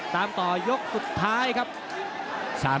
ตามต่อยกสุดท้ายครับ